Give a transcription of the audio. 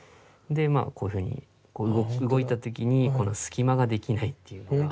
でまあこういうふうに動いた時に隙間ができないっていうか。